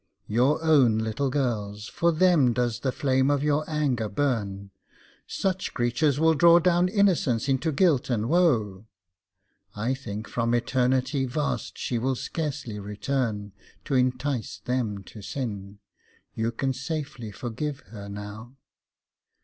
Your own little girls, for them does the flame of your anger burn, "Such creatures will draw down innocence into guilt and woe." I think from eternity vast she will scarcely return To entice them to sin, you can safely forgive her now.